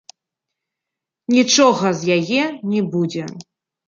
Нічога з яе не будзе.